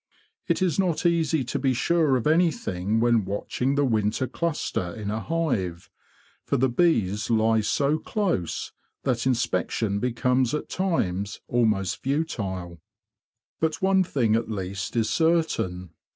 It is not easy to be sure of anything when watching the winter' cluster in a hive, for the bees lie so close that inspection becomes at times almost futile. But one thing at least is certain.